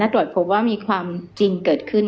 ตรวจพบว่ามีความจริงเกิดขึ้น